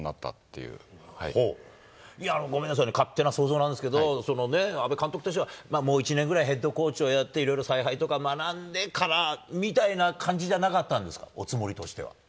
いや、ごめんなさいね、勝手な想像なんですけど、阿部監督としては、もう１年ぐらいヘッドコーチをやって、采配とかを学んでからみたいな感じじゃなかったんですか、おつもりとしては。